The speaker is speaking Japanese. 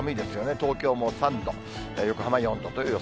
東京も３度、横浜４度という予想。